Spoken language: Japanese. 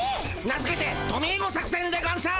名づけてトミーゴ作せんでゴンス。